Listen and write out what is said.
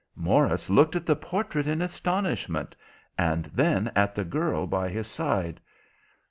Morris looked at the portrait in astonishment, and then at the girl by his side.